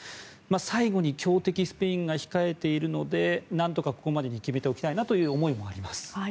最後に強敵スペインが控えているので何とかここまでに決めておきたいという思いもあります。